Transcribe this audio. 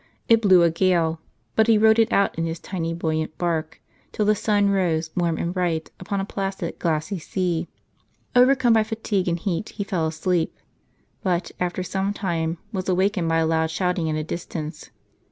It blew a gale, but he rode it out in his tiny buoyant bark, till the sun rose, warm and bright, upon a placid, glassy sea. Overcome by fatigue and heat, he fell asleep; but, after some time, was awakened by a loud shouting at a distance.